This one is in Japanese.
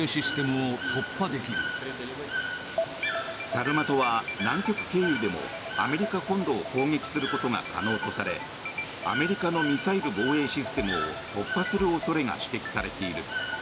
サルマトは南極経由でもアメリカ本土を攻撃することが可能とされアメリカのミサイル防衛システムを突破する恐れが指摘されている。